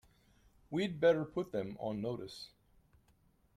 We'd better put them on notice